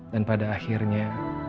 dan pada akhirnya